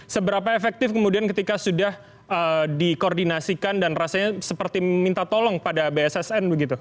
seberapa efektif kemudian ketika sudah dikoordinasikan dan rasanya seperti minta tolong pada bssn begitu